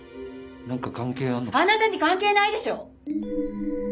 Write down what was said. あなたに関係ないでしょ！